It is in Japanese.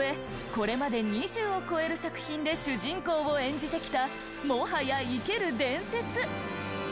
これまで２０を超える作品で主人公を演じてきたもはや生ける伝説。